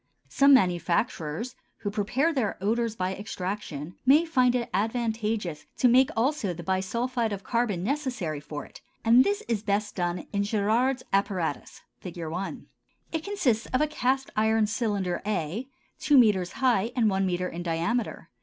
Some manufacturers who prepare their odors by extraction, may find it advantageous to make also the bisulphide of carbon necessary for it, and this is best done in Gérard's apparatus (Fig. 1). It consists of a cast iron cylinder a, two metres high and one metre in diameter.